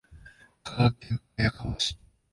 香川県綾川町